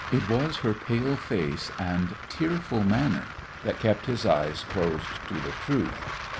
It was her pale face and tearful manner that kept his eyes closed to the truth.